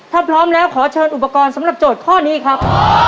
ถ้าพร้อมแล้วขอเชิญอุปกรณ์สำหรับโจทย์ข้อนี้ครับ